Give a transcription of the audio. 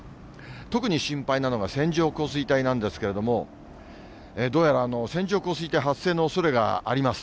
特に心配なのが線状降水帯なんですけれども、どうやら線状降水帯発生のおそれがあります。